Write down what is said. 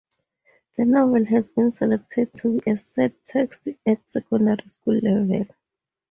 The novel has been selected to be a set text at secondary school level.